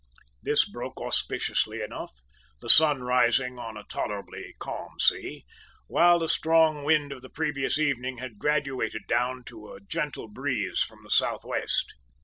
"This broke auspiciously enough, the sun rising on a tolerably calm sea, while the strong wind of the previous evening had graduated down to a gentle breeze from the south west.